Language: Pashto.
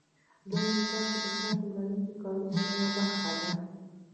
دویم دا چې دا کار د ټولنیزو کارونو یوه برخه ده